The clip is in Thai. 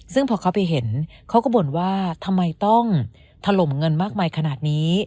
ซึ่งพอเขาไปเห็นเขาก็บ่นว่าทำไมต้องถล่มเงินมากมายขนาดนี้